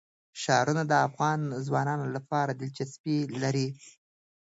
ښارونه د افغان ځوانانو لپاره دلچسپي لري.